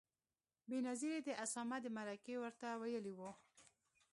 بېنظیرې د اسامه د مرکې ورته ویلي و.